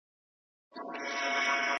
په عزت یې مېلمه کړی په ریشتیا یې.